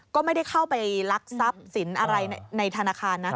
ก็ไม่ได้เข้าไปลักทรัพย์สินอะไรในธนาคารนะ